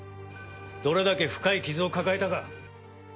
どれだけ深い傷を抱えたか。